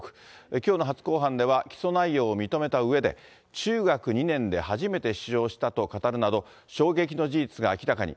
きょうの初公判では起訴内容を認めたうえで、中学２年で初めて使用したと語るなど、衝撃の事実が明らかに。